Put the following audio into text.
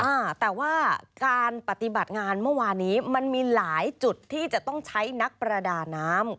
อ่าแต่ว่าการปฏิบัติงานเมื่อวานนี้มันมีหลายจุดที่จะต้องใช้นักประดาน้ำ